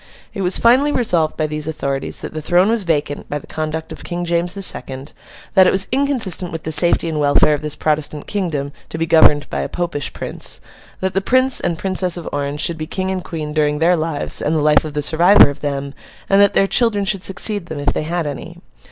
It was finally resolved by these authorities that the throne was vacant by the conduct of King James the Second; that it was inconsistent with the safety and welfare of this Protestant kingdom, to be governed by a Popish prince; that the Prince and Princess of Orange should be King and Queen during their lives and the life of the survivor of them; and that their children should succeed them, if they had any.